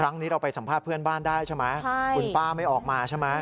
ครั้งนี้เราไปสัมภาษณ์เพื่อนบ้านได้ใช่ไหมคุณป้าไม่ออกมาใช่ไหม